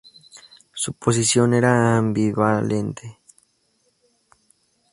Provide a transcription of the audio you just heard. Su posición era ambivalente.